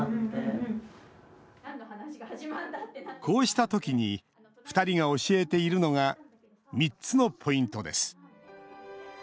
こうしたときに２人が教えているのが３つのポイントです。